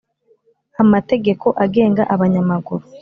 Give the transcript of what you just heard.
amategeko agenga abanyamaguru